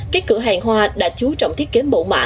các cửa hàng hoa đã chú trọng thiết kế mẫu mã